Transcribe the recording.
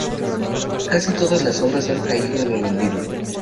Casi todas estas obras han caído en el olvido.